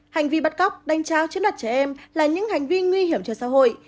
hành vi bắt cóc đánh trao chiến đoạt trẻ em là những hành vi nguy hiểm cho xã hội